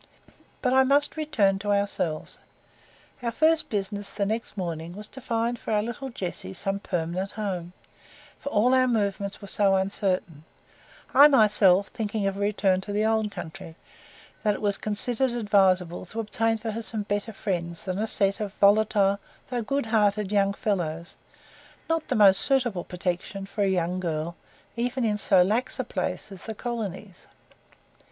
But I must return to ourselves. Our first business the next morning was to find for our little Jessie some permanent home; for all our movements were so uncertain I myself, thinking of a return to the old country that it was considered advisable to obtain for her some better friends than a set of volatile, though good hearted young fellows not the most suitable protection for a young girl, even in so lax a place as the colonies.